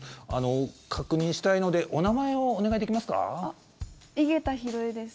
確認したいのでお名前をお願いできますか？